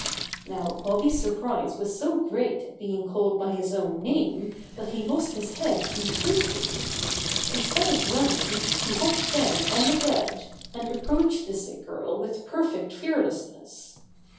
Now Bobby's surprise was so great at being called by his own name that he lost his head completely. Instead of running, he hopped down on the bed, and approached the sick girl with perfect fearlessness.